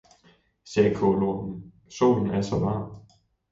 sagde kålormen, solen er så varm!